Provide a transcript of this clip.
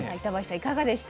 いかがでした？